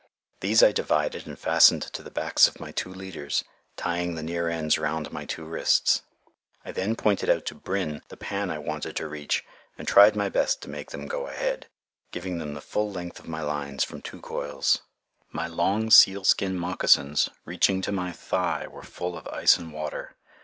These I divided and fastened to the backs of my two leaders, tying the near ends round my two wrists. I then pointed out to "Brin" the pan I wanted to reach and tried my best to make them go ahead, giving them the full length of my lines from two coils. My long sealskin moccasins, reaching to my thigh, were full of ice and water.